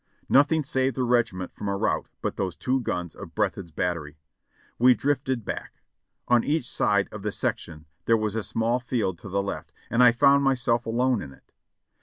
Nothing saved the regiment from a rout but those two guns of Breathed's battery. We drifted back. On each side of the sec tion there was a small field to the left, and I found myself alone in it.